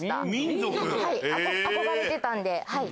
憧れてたんで。